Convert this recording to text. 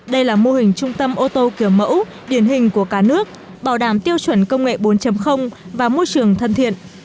đây là mô hình trung tâm ô tô kiểu mẫu điển hình của cả nước bảo đảm tiêu chuẩn công nghệ bốn và môi trường thân thiện